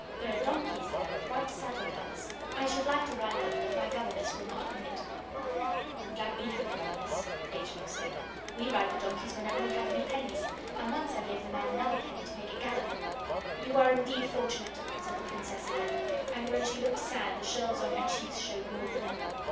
There are donkeys there, with white saddle covers. I should like to ride them, but my governess will not permit.' 'I'm glad we haven't a governess,' H. O. said. 'We ride the donkeys whenever we have any pennies, and once I gave the man another penny to make it gallop.' 'You are indeed fortunate!' said the Princess again, and when she looked sad the shelves on her cheeks showed more than ever.